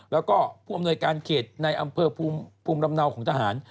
แล้วก็ผู้อำนวยการเขตในอำเภอภูมิลำเนาของทหาร